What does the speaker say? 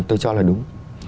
tôi cho là đúng